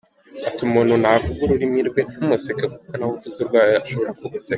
Ati “Umuntu navuga ururimi rwe ntumuseke kuko na we uvuze urwawe ashobora kuguseka.